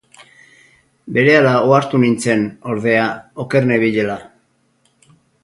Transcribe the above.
Berehala ohartu nintzen, ordea, oker nenbilela.